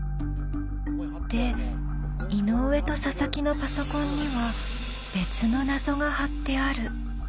で井上と佐々木のパソコンには別の謎が貼ってある。